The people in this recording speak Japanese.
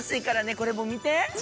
これも見て。